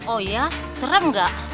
oh ya serem gak